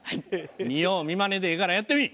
見よう見まねでええからやってみい！